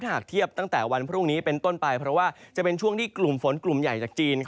หากเทียบตั้งแต่วันพรุ่งนี้เป็นต้นไปเพราะว่าจะเป็นช่วงที่กลุ่มฝนกลุ่มใหญ่จากจีน